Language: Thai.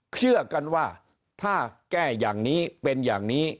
เชื่อกันว่าถ้าแก้อย่างนี้เป็นอย่างนี้